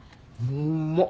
うんまっ！